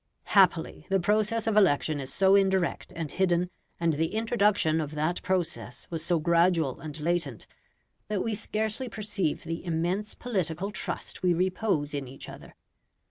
Happily, the process of election is so indirect and hidden, and the introduction of that process was so gradual and latent, that we scarcely perceive the immense political trust we repose in each other.